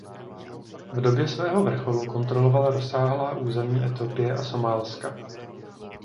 V době svého vrcholu kontroloval rozsáhlá území Etiopie a Somálska.